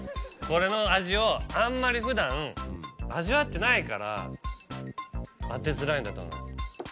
これの味をあんまり普段味わってないから当てづらいんだと思います。